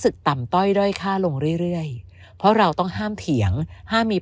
สึกต่ำต้อยด้อยค่าลงเรื่อยเพราะเราต้องห้ามเถียงมี